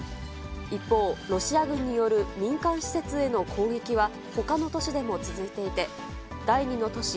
一方、ロシア軍による民間施設への攻撃はほかの都市でも続いていて、第２の都市